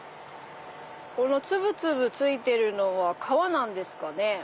この粒々ついてるのは皮なんですかね？